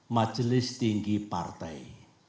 majelis tinggi partai